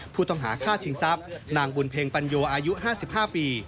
ผู้ต้องหาฆ่าชิงทรัพย์นางบุญเพ็งปัญโยอายุ๕๕ปี